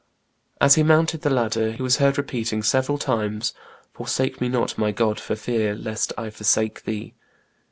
As he mounted the ladder he was heard repeating several times, "Forsake me not, my God, for fear lest I forsake thee."